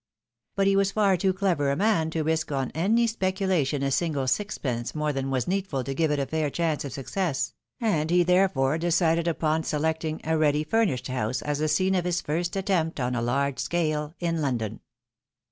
But he was far too clever a man to risk on any speculation a single sixpence more than was needful to give it a fair chance of success ; and he, therefore, decided upon selecting a ready furnished house as the scene of his flrst at tempt on a large scale, in London.